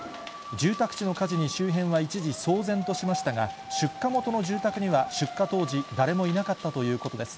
住宅地の火事に、周辺は一時、騒然としましたが、出火元の住宅には、出火当時、誰もいなかったということです。